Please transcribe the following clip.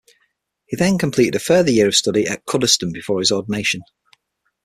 He then completed a further year of study at Cuddesdon before his ordination.